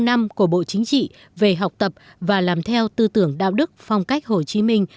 với chỉ thị năm của bộ chính trị về học tập và làm theo tư tưởng đạo đức phong cách hồ chí minh